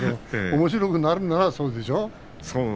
おもしろくなるならそうでしょう？